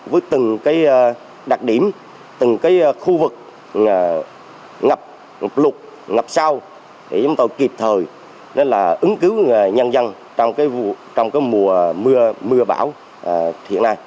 với từng cái đặc điểm từng cái khu vực ngập lục ngập sâu để chúng tôi kịp thời ứng cứu nhân dân trong cái mùa bão hiện nay